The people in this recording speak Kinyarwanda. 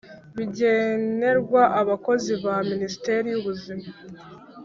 bigenerwa abakozi ba Minisiteri y Ubuzima